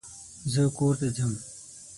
زه کور ته ځم